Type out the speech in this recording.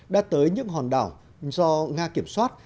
đã tới những hòn đảo do nga kiểm soát